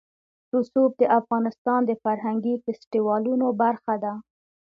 رسوب د افغانستان د فرهنګي فستیوالونو برخه ده.